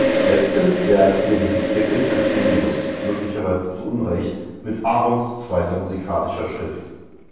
Letzteres Werk identifizierte Trithemius, möglicherweise zu Unrecht, mit Aarons zweiter musikalischer Schrift.